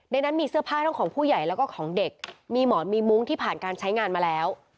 นั้นมีเสื้อผ้าทั้งของผู้ใหญ่แล้วก็ของเด็กมีหมอนมีมุ้งที่ผ่านการใช้งานมาแล้ว